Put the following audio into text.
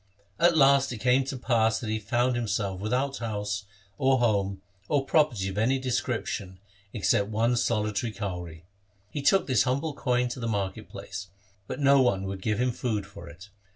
At last it came to pass that he found himself without house, or home, or property of any description except one solitary kauri. He took this humble coin to the market place, but no one would give him food for it.